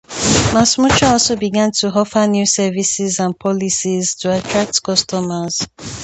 MassMutual also began to offer new services and policies to attract customers.